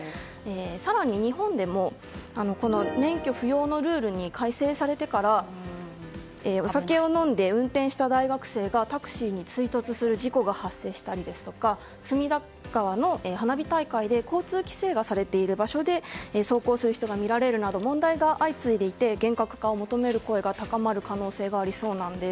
更に、日本でも免許不要のルールに改正されてからお酒を飲んで運転した大学生がタクシーに追突する事故が発生したり隅田川の花火大会で交通規制がされている場所で走行する人が見られるなど問題が相次いでいて厳格化を求める声が高まる可能性がありそうです。